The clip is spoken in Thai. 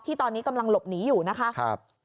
ตอนนี้กำลังหลบหนีอยู่นะคะ